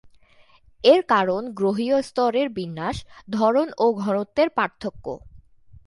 এর কারণ গ্রহীয় স্তরের বিন্যাস, ধরণ ও ঘনত্বের পার্থক্য।